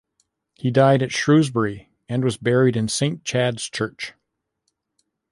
He died at Shrewsbury, and was buried in Saint Chad's Church.